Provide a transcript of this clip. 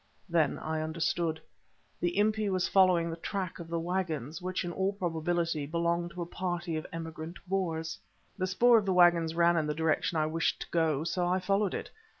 Then I understood; the Impi was following the track of the waggons, which, in all probability, belonged to a party of emigrant Boers. The spoor of the waggons ran in the direction I wished to go, so I followed it.